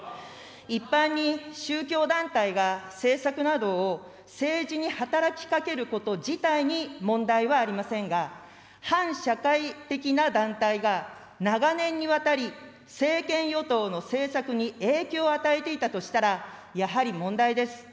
一般に宗教団体が、政策などを政治に働きかけること自体に問題はありませんが、反社会的な団体が、長年にわたり、政権与党の政策に影響を与えていたとしたら、やはり問題です。